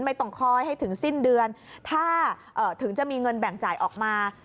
ไม่ต้องคอยให้ถึงสิ้นเดือนถ้าถึงจะมีเงินแบ่งจ่ายออกมา